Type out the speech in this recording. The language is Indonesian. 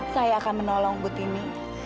saya akan menolong butini